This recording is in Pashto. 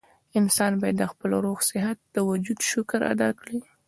انسان بايد د خپل روغ صحت د وجود شکر ادا کړي